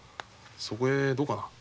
そこへどうかな。